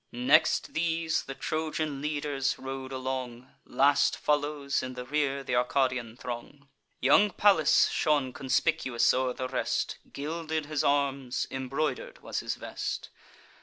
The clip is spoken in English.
Next these, the Trojan leaders rode along; Last follows in the rear th' Arcadian throng. Young Pallas shone conspicuous o'er the rest; Gilded his arms, embroider'd was his vest.